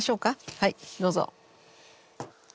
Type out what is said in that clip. はいどうぞ。